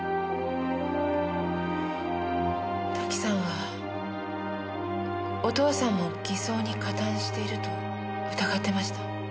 瀧さんはお父さんも偽装に加担していると疑ってました。